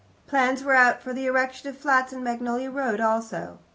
Plans were out for the erection of flats in Magnolia Road also.